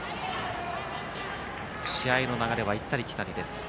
試合の流れは行ったり来たりです。